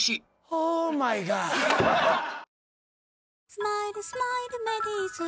「スマイルスマイルメリーズ」